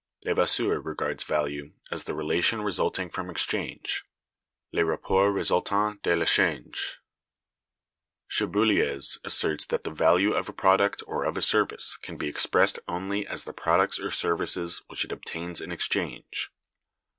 Levasseur(196) regards value as "the relation resulting from exchange"—le rapport resultant de l'échange. Cherbuliez(197) asserts that "the value of a product or of a service can be expressed only as the products or services which it obtains in exchange....